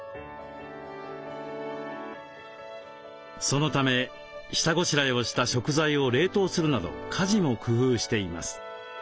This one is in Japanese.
そのため下ごしらえをした食材を冷凍するなど家事も工夫しています。